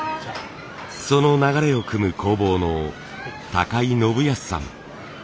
その流れをくむ工房の井宣泰さん。